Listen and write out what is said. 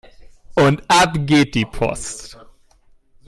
Und ab geht die Post